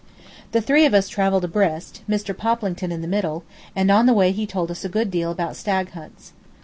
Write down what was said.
The three of us travelled abreast, Mr. Poplington in the middle, and on the way he told us a good deal about stag hunts.